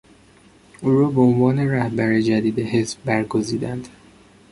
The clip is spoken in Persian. او را به عنوان رهبر جدید حزب برگزیدند.